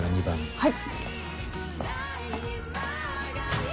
はい。